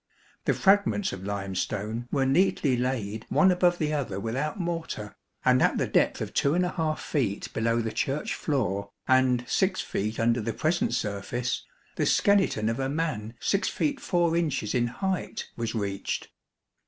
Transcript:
The fragments of limestone were neatly laid one above the other without mortar, and at the depth of 2 feet below the Church floor and 6 feet under the present surface the skeleton of a man 6 feet 4 inches in height was reached.